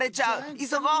いそごう！